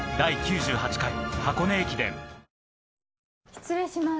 失礼します